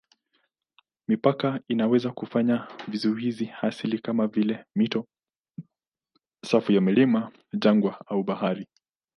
Mipaka inaweza kufuata vizuizi asilia kama vile mito, safu za milima, jangwa au bahari.